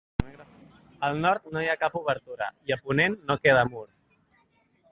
Al nord no hi ha cap obertura i a ponent no queda mur.